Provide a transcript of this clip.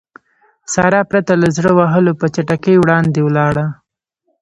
سارا پرته له زړه وهلو په چټکۍ وړاندې ولاړه.